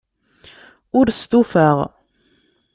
Ur stufaɣ.